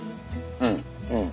うんうん。